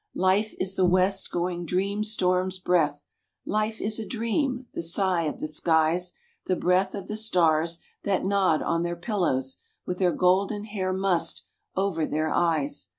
Life is the west going dream storm's breath, Life is a dream, the sigh of the skies, The breath of the stars, that nod on their pillows With their golden hah 1 mussed over their eyes."